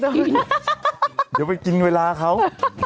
เดี๋ยวไปกินเวลาเขา